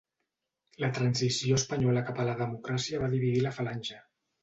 La transició espanyola cap a la democràcia va dividir la Falange.